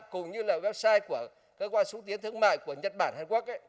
cũng như là website của cơ quan xúc tiến thương mại của nhật bản hàn quốc